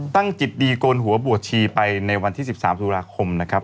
ตั้งจิตดีกลหัวบวชชีไปในวันที่๑๓ธุระคมนะครับ